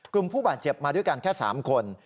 ผู้บาดเจ็บมาด้วยกันแค่๓คน